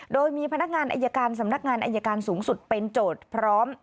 โดยมีพนักงานอายการสำนักงานอายการสูงสุดเป็นโจทย์พร้อม